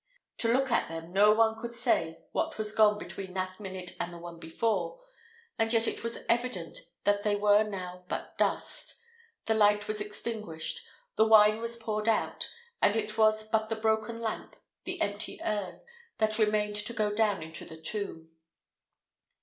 To look at them, no one could say what was gone between that minute and the one before; and yet it was evident that they were now but dust: the light was extinguished, the wine was poured out, and it was but the broken lamp, the empty urn, that remained to go down into the tomb.